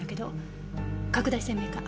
拡大鮮明化。